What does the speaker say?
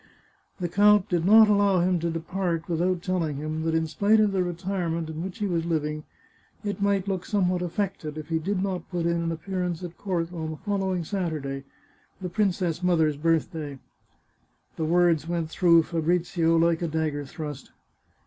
The count did not allow him to depart without telling him that in spite of the retirement in which he was living, it might look somewhat affected if he did not put in an ap pearance at court on the following Saturday — the princess mother's birthday. The words went through Fabrizio like a dagger thrust.